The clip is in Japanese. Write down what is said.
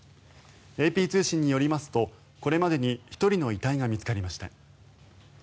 ＡＰ通信によりますとこれまでに１人の遺体が見つかりました。